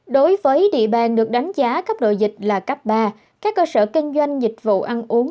đối với địa bàn được đánh giá cấp độ dịch là cấp ba các cơ sở kinh doanh dịch vụ ăn uống